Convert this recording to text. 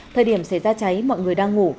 thời điểm xảy ra cháy mọi người đang ngủ